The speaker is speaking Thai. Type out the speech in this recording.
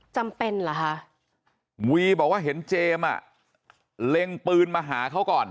จำเป็นเหรอฮะ